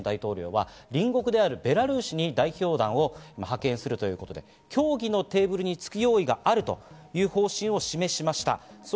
それに対してロシア、プーチン大統領は隣国のベラルーシに代表団を派遣するということで、協議のテーブルにつく用意があるという方針を示しました。